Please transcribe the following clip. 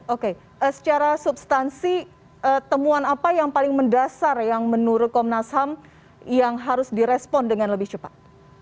oke secara substansi temuan apa yang paling mendasar yang menurut komnas ham yang harus direspon dengan lebih cepat